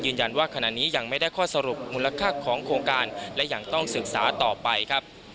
ยืนยันว่าขณะนี้ยังไม่ได้ข้อสรุปมูลค่าของโครงการและยังต้องศึกษาต่อไปครับ